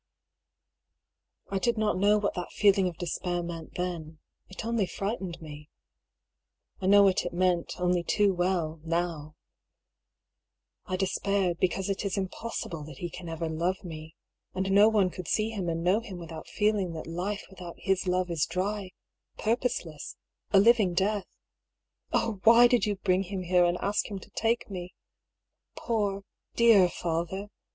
I did not know what that feeling of despair meant then. It only frightened me. ^ I know what it meant, only too well, now. I despaired, because it is impossible FOUND IN AN OLD NOTEBOOK OF LILIA PYM'S. 125 that he can ever love me. And no one could see him and know him without feeling that life without his love is dry, purposeless — a living death. Oh I why did you bring him here, and ask him to take me ? Poor, dear father